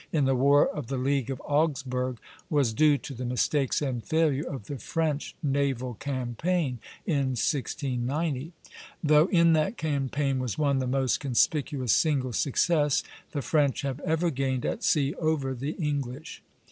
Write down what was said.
in the War of the League of Augsburg, was due to the mistakes and failure of the French naval campaign in 1690; though in that campaign was won the most conspicuous single success the French have ever gained at sea over the English.